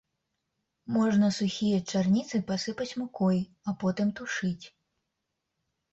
Можна сухія чарніцы пасыпаць мукой, а потым тушыць.